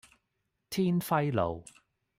天暉路